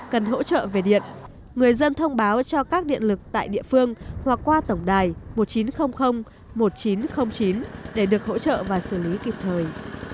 cần hỗ trợ về điện người dân thông báo cho các điện lực tại địa phương hoặc qua tổng đài một nghìn chín trăm linh một nghìn chín trăm linh chín để được hỗ trợ và xử lý kịp thời